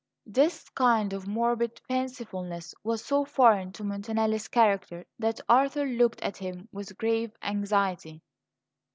This kind of morbid fancifulness was so foreign to Montanelli's character that Arthur looked at him with grave anxiety.